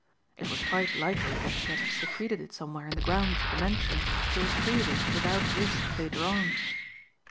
It was quite likely that she had secreted it somewhere in the grounds of the mansion to retrieve it without risk later on.